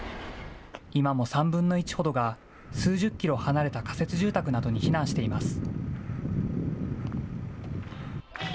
今も３分の１ほどが、数十キロ離れた仮設住宅などに避難しています。